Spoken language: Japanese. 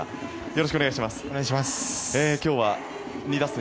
よろしくお願いします。